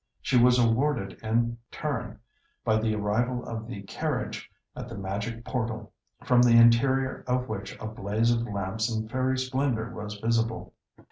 She was rewarded in turn by the arrival of the carriage at the magic portal, from the interior of which a blaze of lamps and fairy splendour was visible.